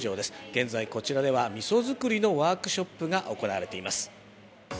現在こちらでは、みそづくりのワークショップが行われています。